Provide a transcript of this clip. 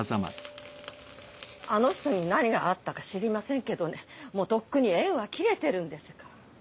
あの人に何があったか知りませんけどねもうとっくに縁は切れてるんですから。